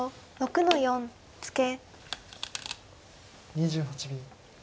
２８秒。